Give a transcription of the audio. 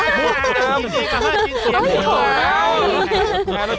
จริงจริงว่าเขาต้องกินเดียว